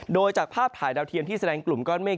โดยจากภาพถ่ายดาวเทียมที่แสดงกลุ่มก้อนเมฆ